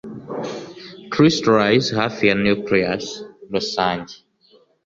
Crystallize hafi ya nucleus rusange